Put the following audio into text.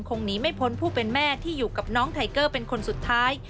หนีไม่พ้นผู้เป็นแม่ที่อยู่กับน้องไทเกอร์เป็นคนสุดท้าย